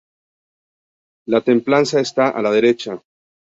La Templanza está a la derecha.